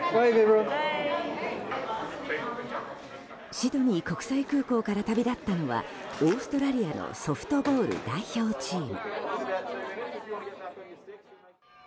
シドニー国際空港から旅立ったのはオーストラリアのソフトボール代表チーム。